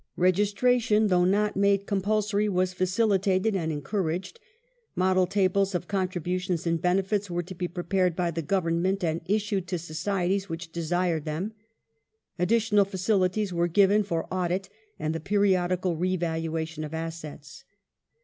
Registration, though not made compulsory, was facilitated and encouraged ; model tables of contributions and benefits were to be prepared by the Government and issued to societies which desired them ; additional facilities were given for audit and the periodical re valuation of assets.